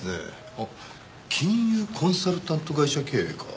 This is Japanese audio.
あっ金融コンサルタント会社経営か。